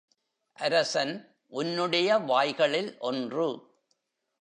அரசன் உன்னுடைய வாய்களில் ஒன்று.